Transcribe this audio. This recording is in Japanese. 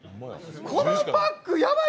このパック、ヤバい。